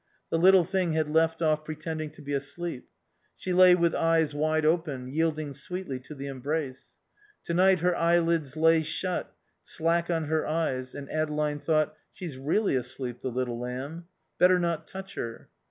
The little thing had left off pretending to be asleep. She lay with eyes wide open, yielding sweetly to the embrace. To night her eyelids lay shut, slack on her eyes, and Adeline thought "She's really asleep, the little lamb. Better not touch her."